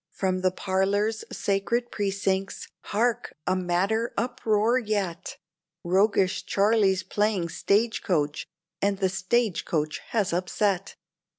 From from the parlor's sacred precincts, hark! a madder uproar yet; Roguish Charlie's playing stage coach, and the stage coach has upset!